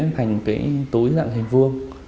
thành cái túi dạng hình vuông